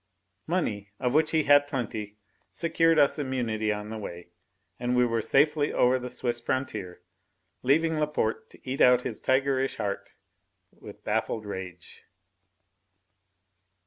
Money, of which he had plenty, secured us immunity on the way, and we were in safety over the Swiss frontier, leaving Laporte to eat out his tigerish heart with baffled rage.